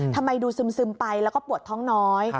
ทำไมดูซึมไปแล้วก็ปวดท้องน้อย